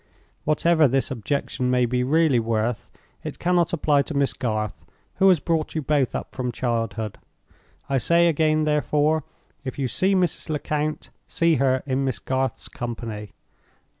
Whatever this objection may be really worth, it cannot apply to Miss Garth, who has brought you both up from childhood. I say, again, therefore, if you see Mrs. Lecount, see her in Miss Garth's company.